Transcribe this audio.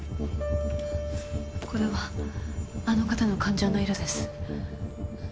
これはあの方の感情の色です。